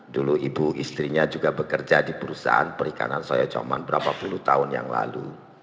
dulu ibu istrinya juga bekerja di perusahaan perikanan soyochoman berapa puluh tahun yang lalu